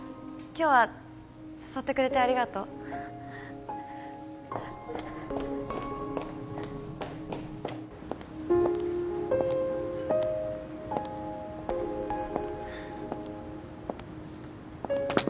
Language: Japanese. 今日は誘ってくれてありがとう